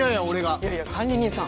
いやいや管理人さん